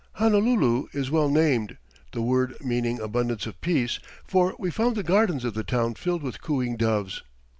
Honolulu is well named, the word meaning "abundance of peace," for we found the gardens of the town filled with cooing doves.